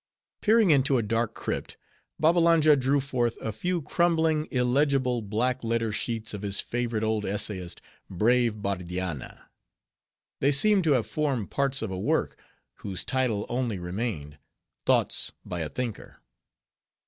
Peering into a dark crypt, Babbalanja drew forth a few crumbling, illegible, black letter sheets of his favorite old essayist, brave Bardianna. They seemed to have formed parts of a work, whose title only remained—"Thoughts, by a Thinker."